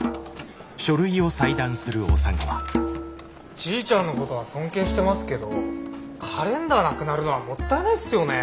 じいちゃんのことは尊敬してますけどカレンダーなくなるのはもったいないっすよね。